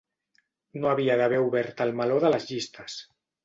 No havia d'haver obert el meló de les llistes.